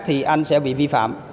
thì anh sẽ bị vi phạm